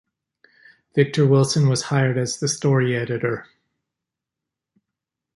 Victor Wilson was hired as the Story Editor.